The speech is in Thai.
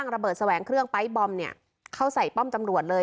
ระเบิดแสวงเครื่องไปร์ทบอมเข้าใส่ป้อมตำรวจเลย